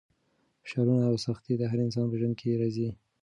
فشارونه او سختۍ د هر انسان په ژوند کې راځي.